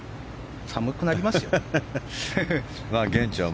寒くなりますよ。